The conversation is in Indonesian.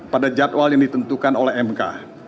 pada jadwal yang ditentukan oleh mk